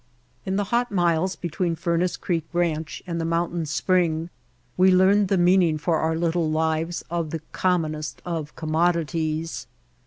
In the hot miles between Furnace Creek Ranch and the mountain spring we learned the meaning for our little lives of the commonest of commodities.